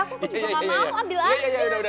aku juga nggak mau ambil aja